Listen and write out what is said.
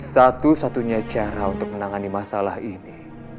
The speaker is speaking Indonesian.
satu satunya cara untuk menangani masalah ini